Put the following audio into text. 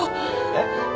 えっ？